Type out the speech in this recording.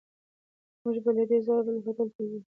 موږ به له دې ځایه بل هوټل ته ځو.